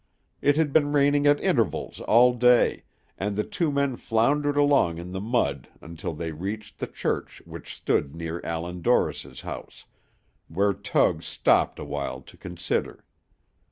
It had been raining at intervals all day, and the two men floundered along in the mud until they reached the church which stood near Allan Dorris's house, where Tug stopped awhile to consider.